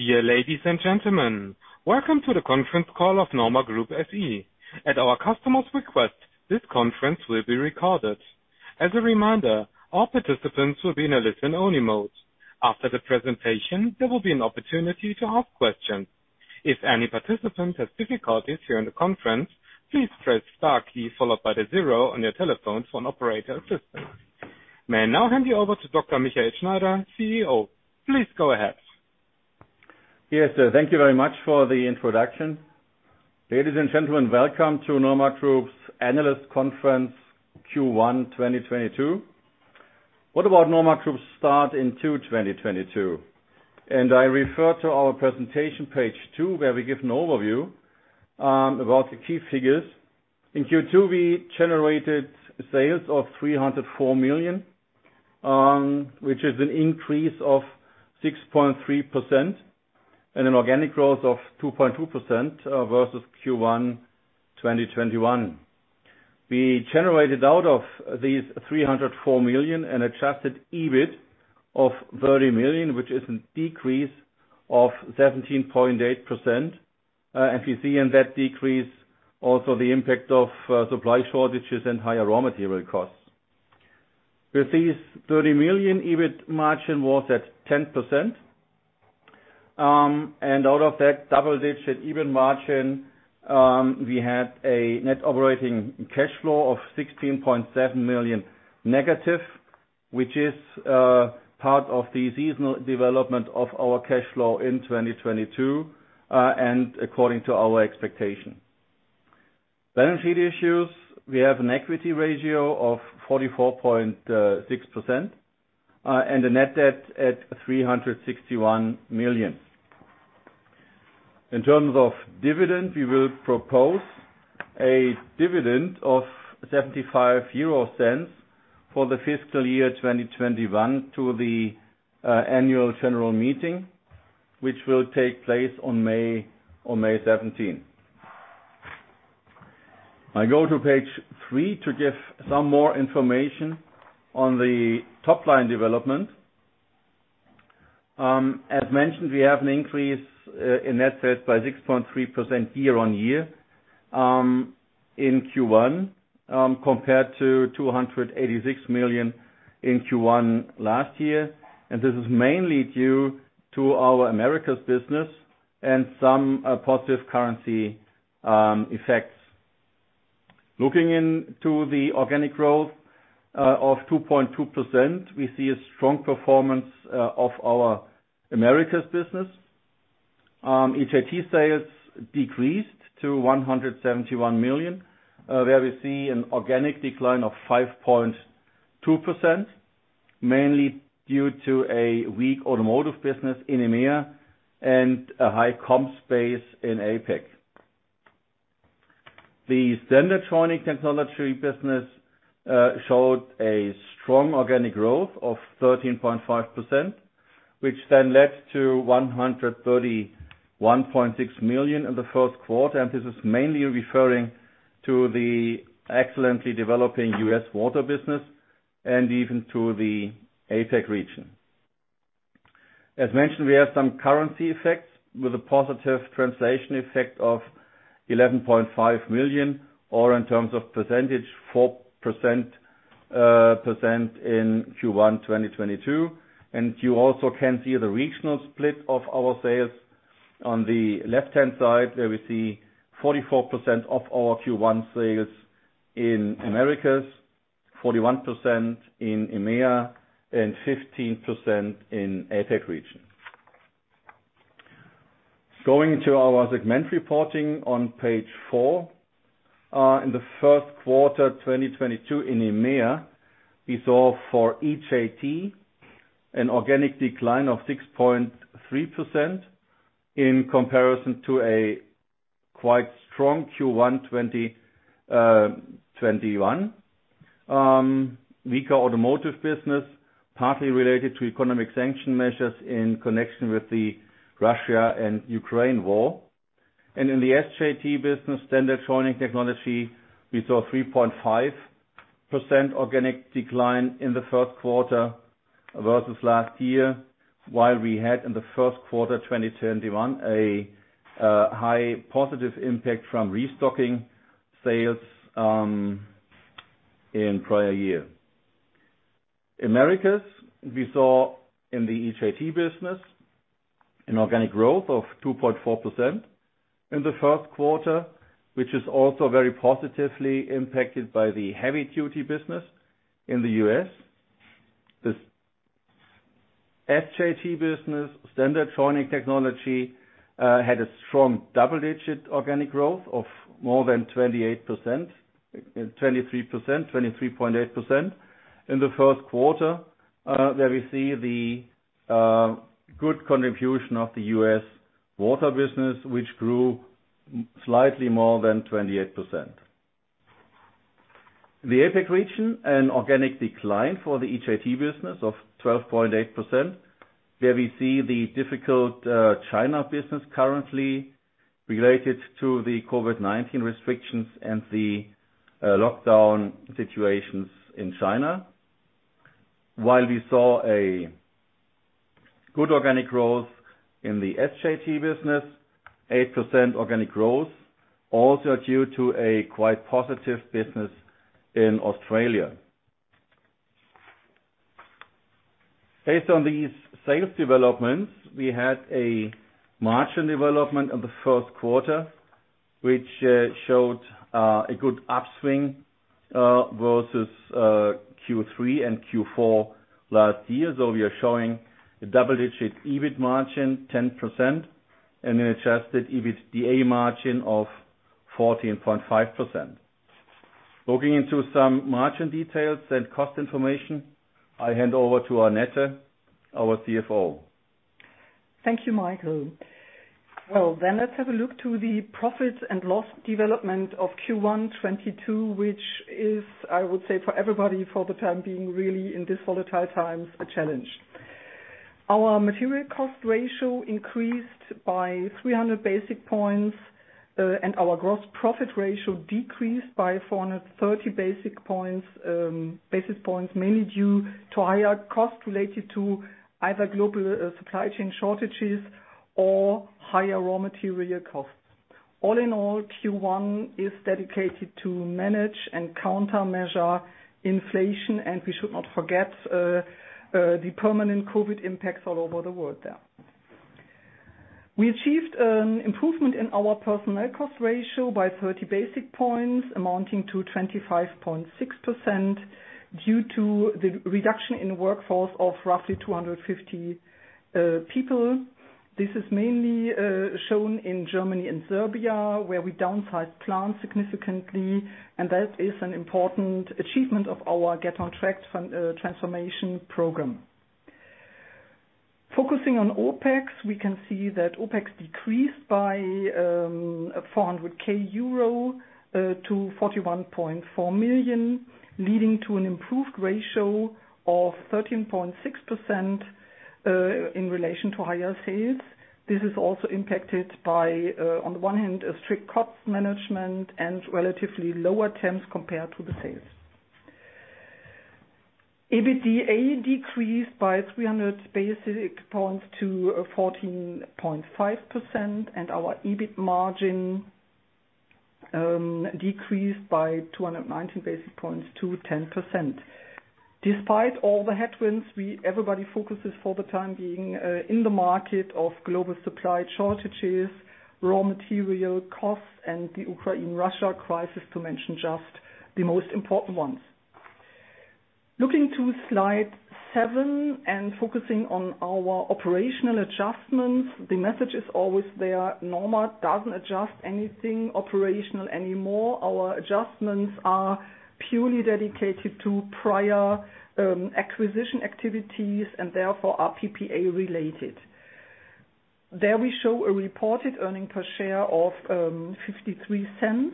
Dear ladies and gentlemen, welcome to the conference call of NORMA Group SE. At our customer's request, this conference will be recorded. As a reminder, all participants will be in a listen-only mode. After the presentation, there will be an opportunity to ask questions. If any participant has difficulties during the conference, please press star key followed by the zero on your telephones for an operator assistance. May I now hand you over to Dr. Michael Schneider, CEO. Please go ahead. Yes. Thank you very much for the introduction. Ladies and gentlemen, welcome to NORMA Group's analyst conference, Q1 2022. What about NORMA Group's start in Q2 2022? I refer to our presentation, page two, where we give an overview about the key figures. In Q2, we generated sales of 304 million, which is an increase of 6.3% and an organic growth of 2.2% versus Q1 2021. We generated out of these 304 million, an adjusted EBIT of 30 million, which is a decrease of 17.8%. As you see in that decrease, also the impact of supply shortages and higher raw material costs. With these 30 million, EBIT margin was at 10%. Out of that double-digit EBIT margin, we had a net operating cash flow of -16.7 million, which is part of the seasonal development of our cash flow in 2022, and according to our expectation. Balance sheet issues. We have an equity ratio of 44.6%, and a net debt at 361 million. In terms of dividend, we will propose a dividend of 0.75 for the fiscal year 2021 to the annual general meeting, which will take place on May seventeenth. I go to page three to give some more information on the top line development. As mentioned, we have an increase in net sales by 6.3% year-on-year in Q1 compared to 286 million in Q1 last year. This is mainly due to our Americas business and some positive currency effects. Looking into the organic growth of 2.2%, we see a strong performance of our Americas business. EJT sales decreased to 171 million, where we see an organic decline of 5.2%, mainly due to a weak automotive business in EMEA and a high comp base in APAC. The Standardized Joining Technology business showed a strong organic growth of 13.5%, which then led to 131.6 million in the Q1. This is mainly referring to the excellently developing U.S. water business and even to the APAC region. As mentioned, we have some currency effects with a positive translation effect of 11.5 million, or in terms of percentage, 4%, percent in Q1 2022. You also can see the regional split of our sales on the left-hand side, where we see 44% of our Q1 sales in Americas, 41% in EMEA, and 15% in APAC region. Going into our segment reporting on page four. In the Q1, 2022 in EMEA, we saw for EJT an organic decline of 6.3% in comparison to a quite strong Q1 2021. Weaker automotive business, partly related to economic sanction measures in connection with the Russia and Ukraine war. In the SJT business, Standardized Joining Technology, we saw 3.5% organic decline in the Q1 versus last year, while we had in the Q1 2021 a high positive impact from restocking sales in prior year. In the Americas, we saw in the EJT business an organic growth of 2.4% in the Q1, which is also very positively impacted by the heavy duty business in the U.S. The SJT business, Standardized Joining Technology, had a strong double-digit organic growth of 23.8% in the Q1, where we see the good contribution of the U.S. water business, which grew slightly more than 28%. The APAC region, an organic decline for the EJT business of 12.8%, where we see the difficult China business currently related to the COVID-19 restrictions and the lockdown situations in China. While we saw a good organic growth in the SJT business, 8% organic growth also due to a quite positive business in Australia. Based on these sales developments, we had a margin development in the Q1, which showed a good upswing versus Q3 and Q4 last year. We are showing a double-digit EBIT margin 10% and an adjusted EBITDA margin of 14.5%. Looking into some margin details and cost information, I hand over to Annette, our CFO. Thank you, Michael. Well, let's have a look to the profit and loss development of Q1 2022, which is, I would say for everybody, for the time being, really, in this volatile times, a challenge. Our material cost ratio increased by 300 basis points, and our gross profit ratio decreased by 430 basis points, mainly due to higher costs related to either global supply chain shortages or higher raw material costs. All in all, Q1 is dedicated to manage and countermeasure inflation, and we should not forget the permanent COVID impacts all over the world there. We achieved an improvement in our personnel cost ratio by 30 basis points, amounting to 25.6% due to the reduction in workforce of roughly 250 people. This is mainly shown in Germany and Serbia, where we downsized plants significantly, and that is an important achievement of our Get on Track transformation program. Focusing on OpEx, we can see that OpEx decreased by 400,000 euro to 41.4 million euro, leading to an improved ratio of 13.6% in relation to higher sales. This is also impacted by on the one hand, a strict cost management and relatively lower temps compared to the sales. EBITDA decreased by 300 basis points to 14.5%, and our EBIT margin decreased by 219 basis points to 10%. Despite all the headwinds, everybody focuses for the time being in the market of global supply shortages, raw material costs and the Ukraine-Russia crisis, to mention just the most important ones. Looking to slide seven and focusing on our operational adjustments, the message is always there. NORMA doesn't adjust anything operational anymore. Our adjustments are purely dedicated to prior acquisition activities and therefore are PPA related. There we show a reported earnings per share of 0.53.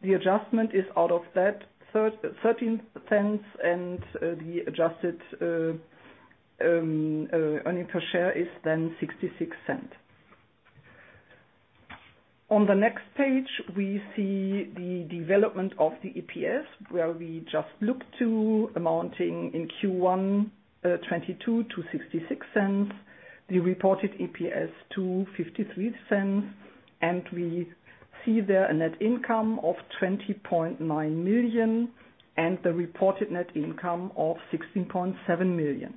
The adjustment is out of that 13 cents and the adjusted earnings per share is then 66 cents. On the next page, we see the development of the EPS, where we just looked to amounting in Q1 2022 to 66 cents, the reported EPS to 53 cents, and we see there a net income of 20.9 million and the reported net income of 16.7 million.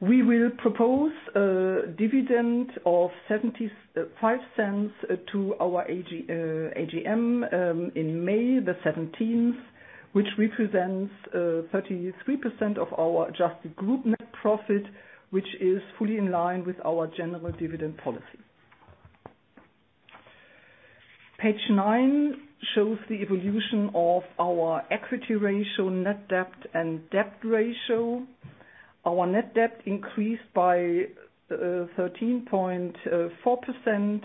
We will propose a dividend of 0.75 to our AGM in May 17th, which represents 33% of our adjusted group net profit, which is fully in line with our general dividend policy. Page nine shows the evolution of our equity ratio, net debt and debt ratio. Our net debt increased by 13.4%,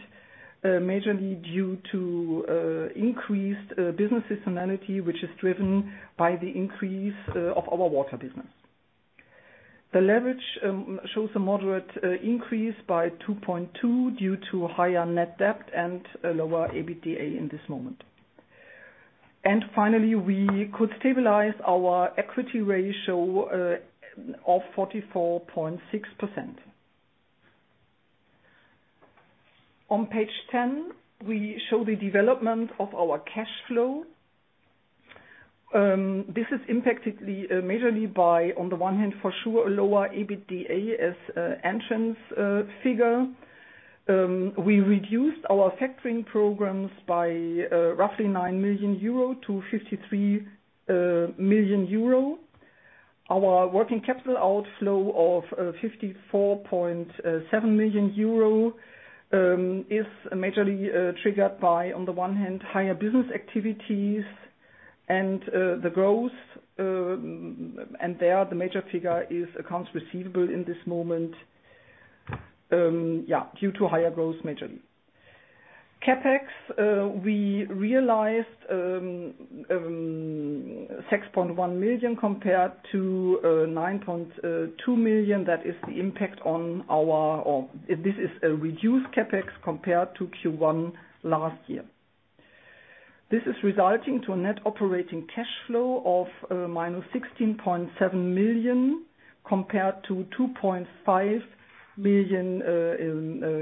majorly due to increased business seasonality, which is driven by the increase of our water business. The leverage shows a moderate increase by 2.2 due to higher net debt and a lower EBITDA in this moment. Finally, we could stabilize our equity ratio of 44.6%. On page 10, we show the development of our cash flow. This is impacted majorly by, on the one hand, for sure, a lower EBITDA as entry figure. We reduced our factoring programs by roughly 9 million euro to 53 million euro. Our working capital outflow of 54.7 million euro is majorly triggered by, on the one hand, higher business activities and the growth. There, the major figure is accounts receivable in this moment, due to higher growth majorly. CapEx we realized 6.1 million compared to 9.2 million. That is the impact on our, or this is a reduced CapEx compared to Q1 last year. This is resulting to a net operating cash flow of -16.7 million compared to 2.5 million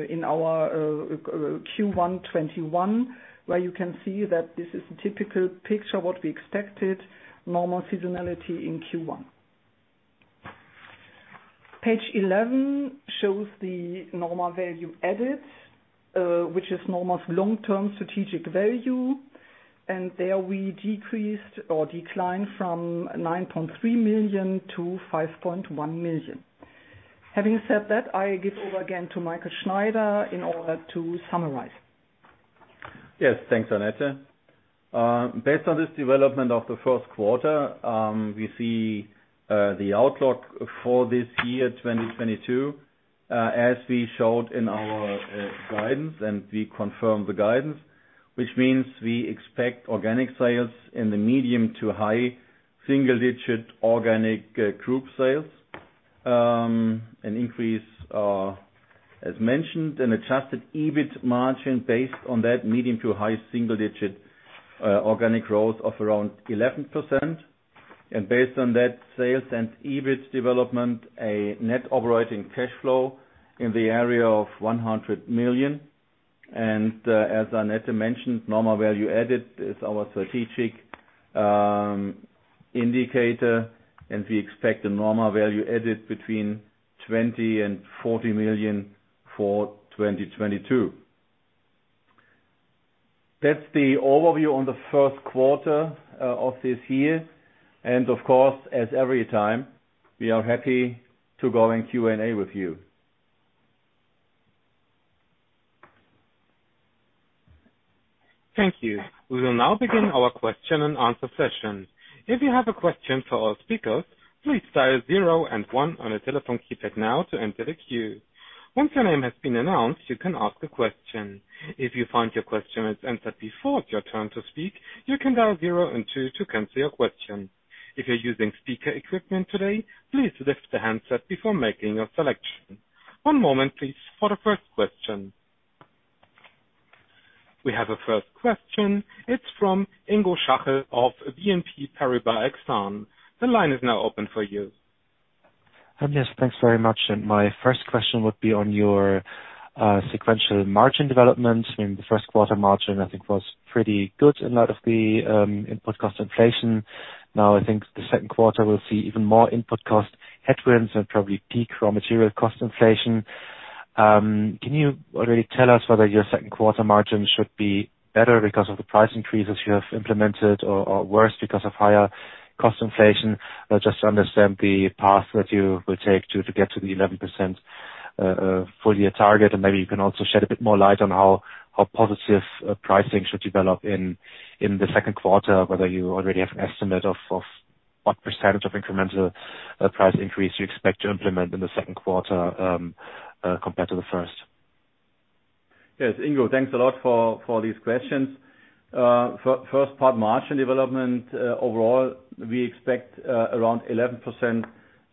in our Q1 2021, where you can see that this is a typical picture, what we expected, normal seasonality in Q1. Page 11 shows the NORMA Value Added, which is NORMA long-term strategic value, and there we decreased or declined from 9.3 million to 5.1 million. Having said that, I give over again to Michael Schneider in order to summarize. Yes, thanks, Annette. Based on this development of the first quarter, we see the outlook for this year, 2022, as we showed in our guidance, and we confirm the guidance, which means we expect organic group sales in the medium- to high-single-digit%. As mentioned, an adjusted EBIT margin based on that medium- to high-single-digit organic growth of around 11%. Based on that sales and EBIT development, a net operating cash flow in the area of 100 million. As Annette mentioned, NORMA Value Added is our strategic indicator, and we expect the NORMA Value Added between 20 million and 40 million for 2022. That's the overview on the Q1 of this year. Of course, as every time, we are happy to go in Q&A with you. Thank you. We will now begin our question and answer session. If you have a question for our speakers, please dial zero and one on your telephone keypad now to enter the queue. Once your name has been announced, you can ask a question. If you find your question has answered before it's your turn to speak, you can dial zero and two to cancel your question. If you're using speaker equipment today, please lift the handset before making your selection. One moment, please, for the first question. We have a first question. It's from Ingo Schachel of BNP Paribas Exane. The line is now open for you. Yes, thanks very much. My first question would be on your sequential margin development. In the first quarter, margin, I think, was pretty good in light of the input cost inflation. Now, I think the second quarter will see even more input cost headwinds and probably peak raw material cost inflation. Can you already tell us whether your second quarter margin should be better because of the price increases you have implemented or worse because of higher cost inflation? Just to understand the path that you will take to get to the 11% full year target. Maybe you can also shed a bit more light on how positive pricing should develop in the second quarter, whether you already have an estimate of what percentage of incremental price increase you expect to implement in the second quarter compared to the first? Yes. Ingo, thanks a lot for these questions. First part, margin development. Overall, we expect around 11%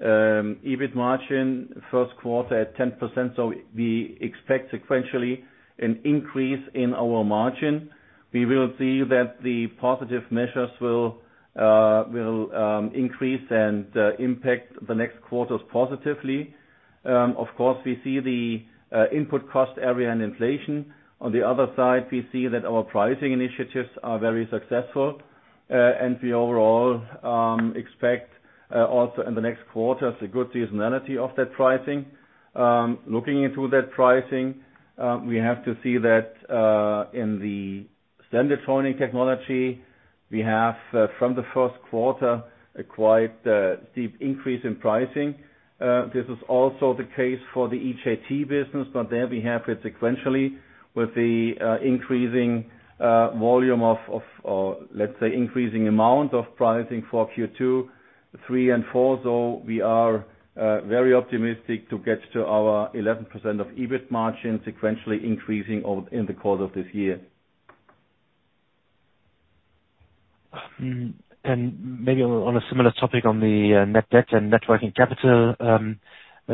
EBIT margin first quarter at 10%. We expect sequentially an increase in our margin. We will see that the positive measures will increase and impact the next quarters positively. Of course, we see the input cost area and inflation. On the other side, we see that our pricing initiatives are very successful, and we overall expect also in the next quarter, the good seasonality of that pricing. Looking into that pricing, we have to see that in the Standardized Joining Technology, we have from the first quarter, a quite steep increase in pricing. This is also the case for the EJT business, but there we have it sequentially with the increasing amount of pricing for Q2, Q3 and Q4. We are very optimistic to get to our 11% EBIT margin sequentially increasing in the course of this year. Maybe on a similar topic on the net debt and net working capital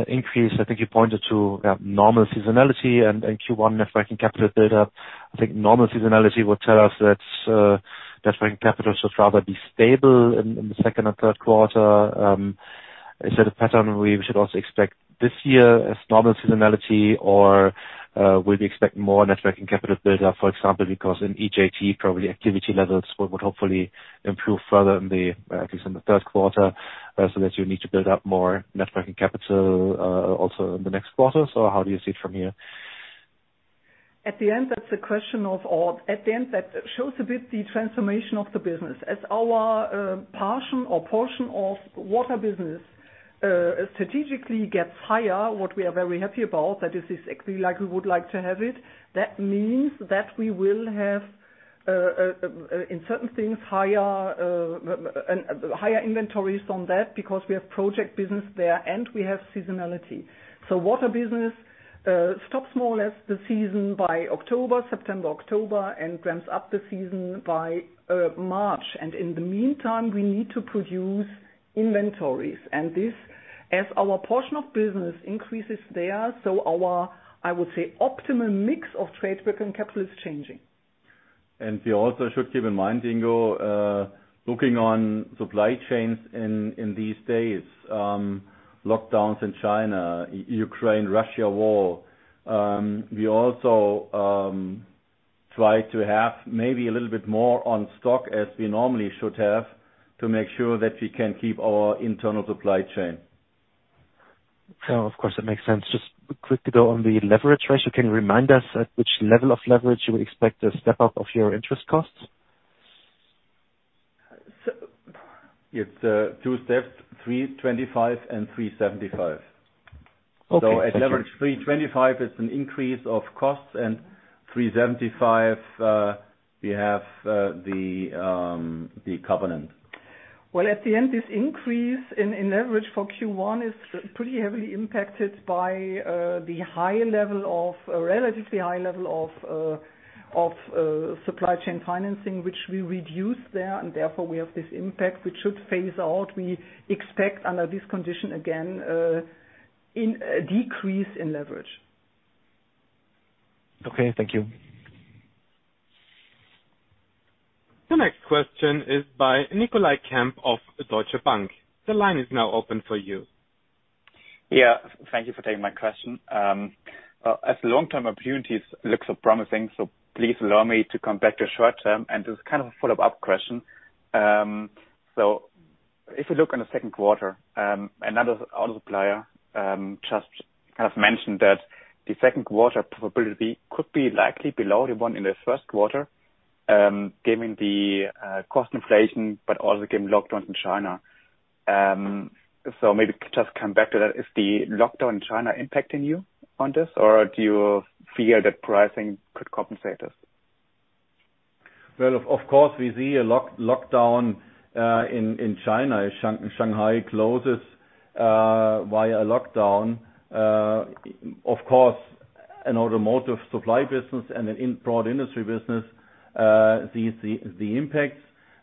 increase. I think you pointed to normal seasonality and Q1 net working capital build-up. I think normal seasonality would tell us that net working capital should rather be stable in the Q2 and Q3. Is that a pattern we should also expect this year as normal seasonality or will we expect more net working capital build-up, for example, because in EJT, probably activity levels would hopefully improve further in at least the Q3 so that you need to build up more net working capital also in the next quarter. How do you see it from here? At the end, that's a question of all. At the end, that shows a bit the transformation of the business. As our portion of water business strategically gets higher, what we are very happy about, that is exactly like we would like to have it, that means that we will have in certain things higher and higher inventories on that because we have project business there and we have seasonality. Water business stops more or less the season by October, September, October, and ramps up the season by March. In the meantime, we need to produce inventories. This, as our portion of business increases there, our, I would say, optimum mix of trade working capital is changing. We also should keep in mind, Ingo, looking on supply chains in these days, lockdowns in China, Ukraine-Russia war, we also try to have maybe a little bit more in stock as we normally should have, to make sure that we can keep our internal supply chain. Of course, that makes sense. Just quick to go on the leverage ratio, can you remind us at which level of leverage you expect a step up of your interest costs? It's two steps, 325 and 375. Okay. At leverage 3.25, it's an increase of costs, and 3.75, we have the covenant. Well, at the end, this increase in leverage for Q1 is pretty heavily impacted by a relatively high level of supply chain financing, which we reduce there, and therefore we have this impact which should phase out. We expect under this condition again in a decrease in leverage. Okay, thank you. The next question is by Nicolai Kempf of Deutsche Bank. The line is now open for you. Yeah. Thank you for taking my question. As long-term opportunities look so promising, so please allow me to come back to short-term, and this is kind of a follow-up question. If you look in the second quarter, another auto supplier just kind of mentioned that the second quarter profitability could be likely below the one in the Q1, given the cost inflation, but also given lockdowns in China. Maybe just come back to that. Is the lockdown in China impacting you on this, or do you fear that pricing could compensate this? Well, of course, we see a lockdown in China. Shanghai closes via a lockdown. Of course, an automotive supply business and an industrial business sees the impacts.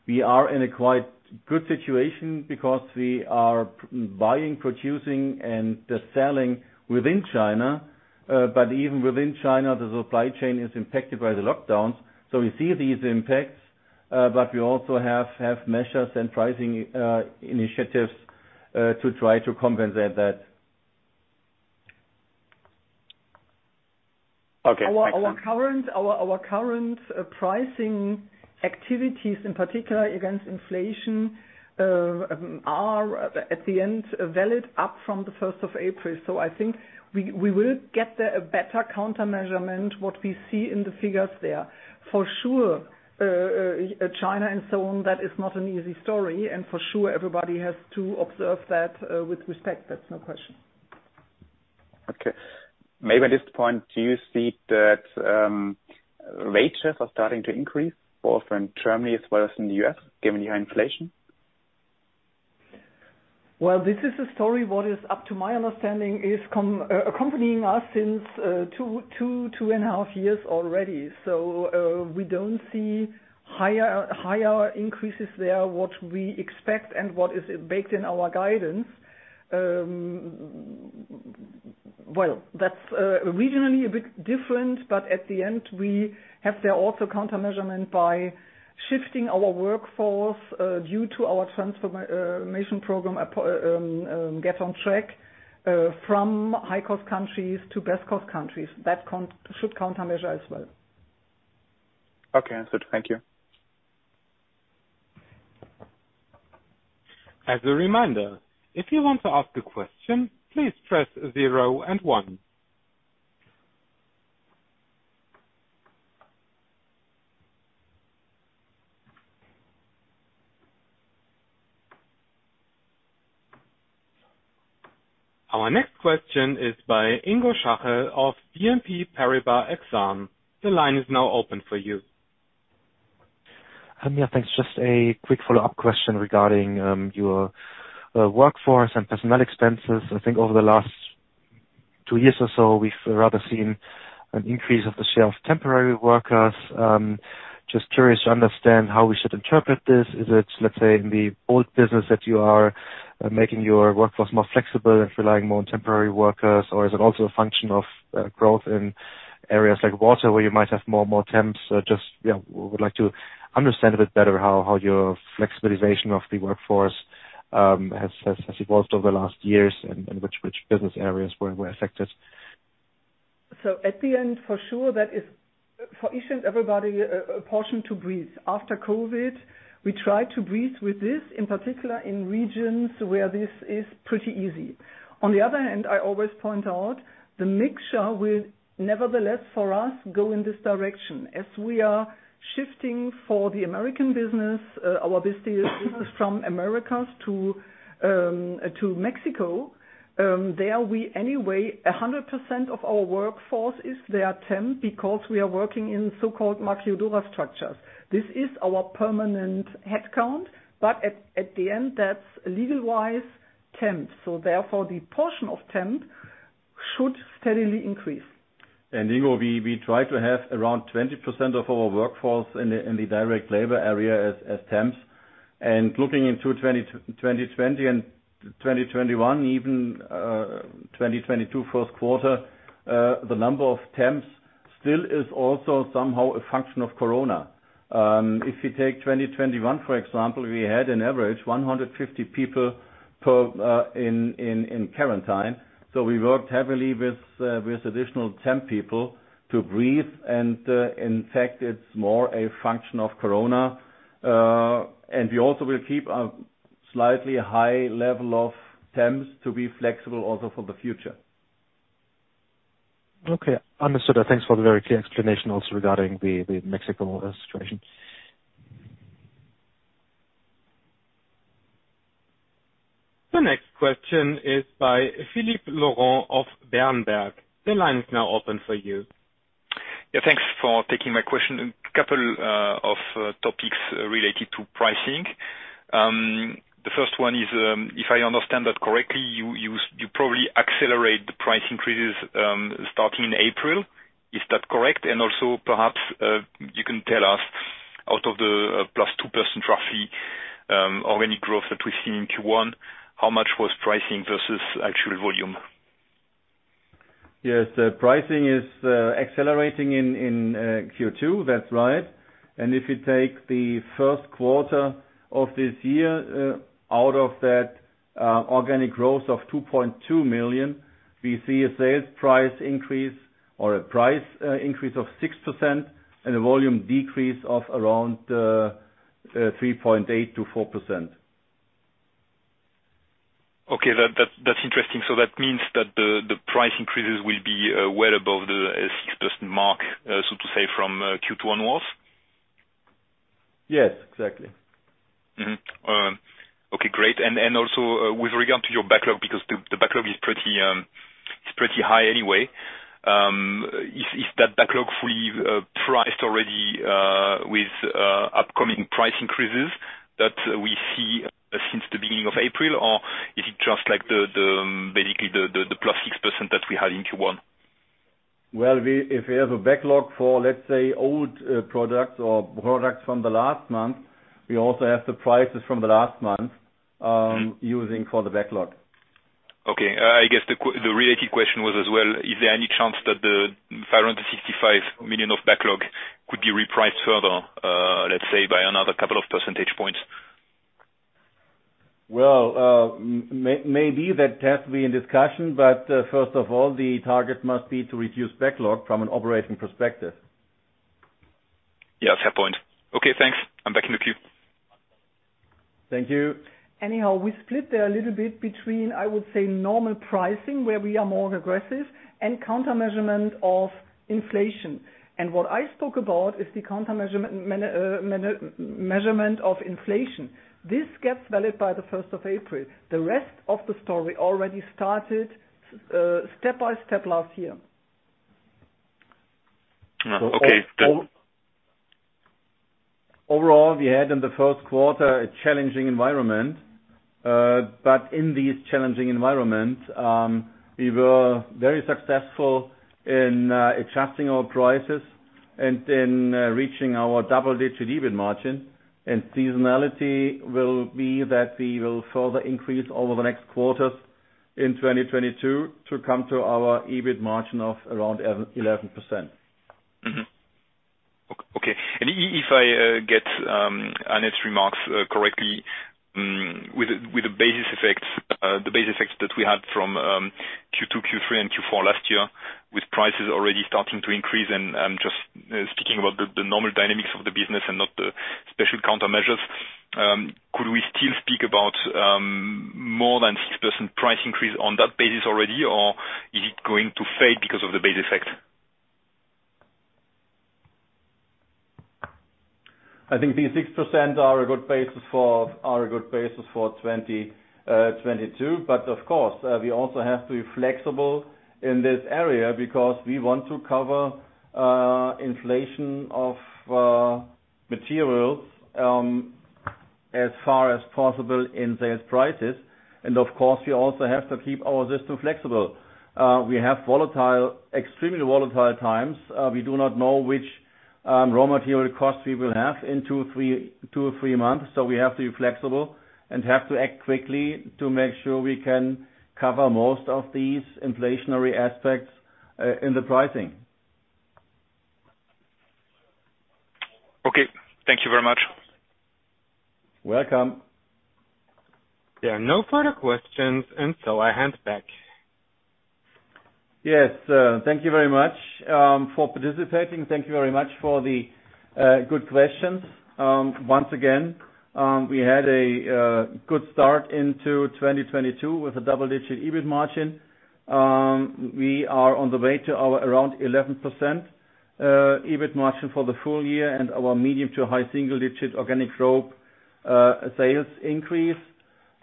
We are in a quite good situation because we are buying, producing, and selling within China. But even within China, the supply chain is impacted by the lockdowns. We see these impacts, but we also have measures and pricing initiatives to try to compensate that. Okay. Our current pricing activities, in particular against inflation, are intended to be valid from the first of April. I think we will get a better countermeasure to what we see in the figures there. For sure, China and so on, that is not an easy story, and for sure, everybody has to observe that with respect. That's no question. Okay. Maybe at this point, do you see that, rates are starting to increase, both in Germany as well as in the U.S., given your inflation? Well, this is a story what is, up to my understanding, accompanying us since 2.5 years already. We don't see higher increases there, what we expect and what is baked in our guidance. Well, that's regionally a bit different, but at the end, we have there also countermeasure by shifting our workforce due to our transformation program, Get on Track, from high-cost countries to best-cost countries. That countermeasure as well. Okay. Good. Thank you. As a reminder, if you want to ask a question, please press zero and one. Our next question is by Ingo Schachel of BNP Paribas Exane. The line is now open for you. Yeah, thanks. Just a quick follow-up question regarding your workforce and personnel expenses. I think over the last two years or so, we've rather seen an increase of the share of temporary workers. Just curious to understand how we should interpret this. Is it, let's say, in the old business that you are making your workforce more flexible and relying more on temporary workers? Or is it also a function of growth in areas like water, where you might have more and more temps? Just, yeah, would like to understand a bit better how your flexibilization of the workforce has evolved over the last years and which business areas were affected. At the end, for sure, that is for each and everybody a portion to breathe. After COVID, we tried to breathe with this, in particular in regions where this is pretty easy. On the other hand, I always point out the mixture will nevertheless, for us, go in this direction. As we are shifting for the American business, our business from Americas to Mexico, there we anyway, 100% of our workforce is there temp because we are working in so-called maquiladora structures. This is our permanent headcount, but at the end, that's legal-wise temp. Therefore, the portion of temp should steadily increase. Ingo, we try to have around 20% of our workforce in the direct labor area as temps. Looking into 2020 and 2021 even 2022 first quarter, the number of temps still is also somehow a function of COVID-19. If you take 2021, for example, we had an average 150 people in quarantine. We worked heavily with additional temp people to bridge. In fact, it's more a function of COVID-19. And we also will keep a slightly high level of temps to be flexible also for the future. Okay. Understood. Thanks for the very clear explanation also regarding the Mexico situation. The next question is by Philippe Lorrain of Berenberg. The line is now open for you. Yeah, thanks for taking my question. A couple of topics related to pricing. The first one is, if I understand that correctly, you probably accelerate the price increases, starting in April. Is that correct? Also perhaps, you can tell us out of the +2% roughly organic growth that we've seen in Q1, how much was pricing versus actual volume? Yes. The pricing is accelerating in Q2. That's right. If you take the first quarter of this year out of that organic growth of 2.2 million, we see a sales price increase or a price increase of 6% and a volume decrease of around 3.8%-4%. Okay. That's interesting. That means that the price increases will be well above the 6% mark, so to say, from Q1 was? Yes, exactly. Okay, great. Also, with regard to your backlog, because the backlog is pretty high anyway. Is that backlog fully priced already with upcoming price increases that we see since the beginning of April? Is it just like basically the plus 6% that we had in Q1? Well, if we have a backlog for, let's say, old products or products from the last month, we also have the prices from the last month using for the backlog. Okay. I guess the related question was as well, is there any chance that the 565 million of backlog could be repriced further, let's say by another couple of percentage points? Well, maybe that has to be in discussion, but first of all, the target must be to reduce backlog from an operating perspective. Yes, fair point. Okay, thanks. I'm back in the queue. Thank you. Anyhow, we split there a little bit between, I would say, normal pricing, where we are more aggressive, and counter-measurement of inflation. What I spoke about is the counter-measurement management of inflation. This gets valid by the first of April. The rest of the story already started step by step last year. Oh, okay. Good. Overall, we had in the first quarter a challenging environment. In these challenging environment, we were very successful in adjusting our prices and in reaching our double-digit EBIT margin. Seasonality will be that we will further increase over the next quarters in 2022 to come to our EBIT margin of around 11%. If I get Annette's remarks correctly, with the basis effects that we had from Q2, Q3, and Q4 last year, with prices already starting to increase, and I'm just speaking about the normal dynamics of the business and not the special countermeasures, could we still speak about more than 6% price increase on that basis already, or is it going to fade because of the base effect? I think the 6% are a good basis for 2022. Of course, we also have to be flexible in this area because we want to cover inflation of materials as far as possible in sales prices. Of course, we also have to keep our system flexible. We have volatile, extremely volatile times. We do not know which raw material costs we will have in two or three months. We have to be flexible and have to act quickly to make sure we can cover most of these inflationary aspects in the pricing. Okay. Thank you very much. Welcome. There are no further questions, and so I hand back. Yes. Thank you very much for participating. Thank you very much for the good questions. Once again, we had a good start into 2022 with a double-digit% EBIT margin. We are on the way to our around 11% EBIT margin for the full year and our medium- to high single-digit% organic growth sales increase.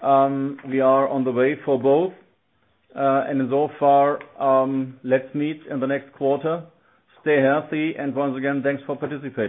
We are on the way for both. So far, let's meet in the next quarter. Stay healthy, and once again, thanks for participating.